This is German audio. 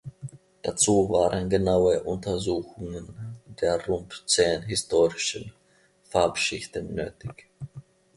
Dazu waren genaue Untersuchungen der rund zehn historischen Farbschichten nötig.